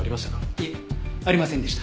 いえありませんでした。